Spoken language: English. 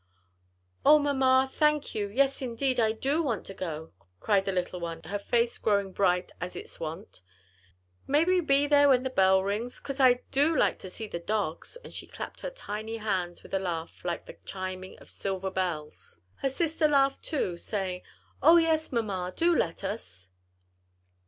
"O, mamma, thank you! yes indeed, I do want to go," cried the little one, her face growing bright as its wont. "May we be there when the bell rings? 'cause I do like to see the dogs." And she clapped her tiny hands with a laugh like the chiming of silver bells. Her sister laughed too, saying, "O, yes, mamma, do let us."